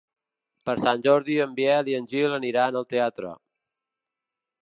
Per Sant Jordi en Biel i en Gil aniran al teatre.